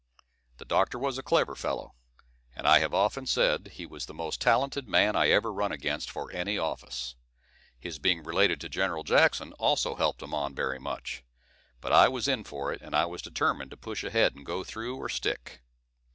The doctor was a clever fellow, and I have often said he was the most talented man I ever run against for any office. His being related to Gen'l. Jackson also helped him on very much; but I was in for it, and I was determined to push ahead and go through, or stick.